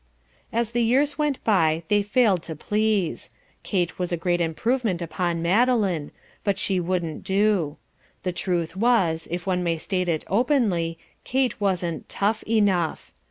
As the years went by they failed to please. Kate was a great improvement upon Madeline. But she wouldn't do. The truth was, if one may state it openly, Kate wasn't TOUGH enough.